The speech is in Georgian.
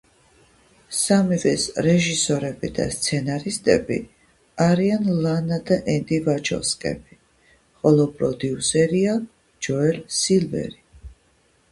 სამივეს რეჟისორები და სცენარისტები არიან ლანა და ენდი ვაჩოვსკები, ხოლო პროდიუსერია ჯოელ სილვერი.